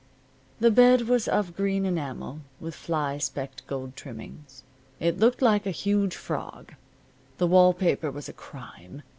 The bed was of green enamel, with fly specked gold trimmings. It looked like a huge frog. The wall paper was a crime.